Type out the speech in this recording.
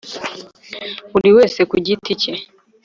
buri wese ku giti ke